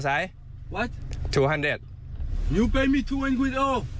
เบาเงิน